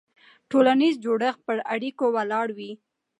ټولنیز جوړښت پر اړیکو ولاړ وي.